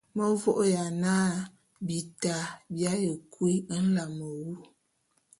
Me vô'ôya na bita bi aye kui nlame wu.